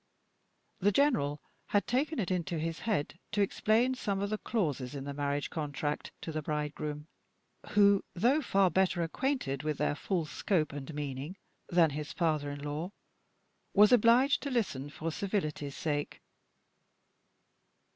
The general had taken it into his head to explain some of the clauses in the marriage contract to the bridegroom, who, though far better acquainted with their full scope and meaning than his father in law, was obliged to listen for civility's sake.